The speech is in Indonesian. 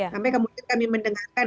sampai kemudian kami mendengarkan